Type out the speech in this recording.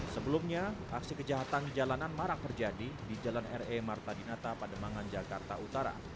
sebelumnya aksi kejahatan di jalanan marak terjadi di jalan re martadinata pada mangan jakarta utara